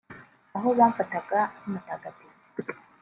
aho bamfataga nk’umutagatifu